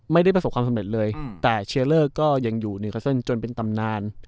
ไม่ได้ประสบความสำเร็จเลยอืมแต่ก็ยังอยู่จนเป็นตำนาน